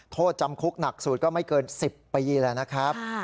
โทษจำคุกหนักสุดก็ไม่เกิน๑๐ปีแล้วนะครับ